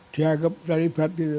dianggap terlibat gitu